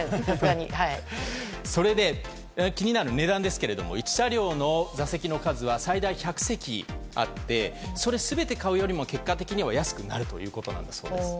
気になる値段ですが１車両の座席の数は最大１００席あってそれを全て買うよりも結果的に安くなるそうです。